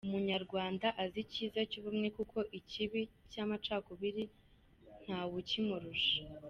Umunyarwanda azi icyiza cy’ubumwe kuko ikibi cy’amacakubiri nta wukimurusha.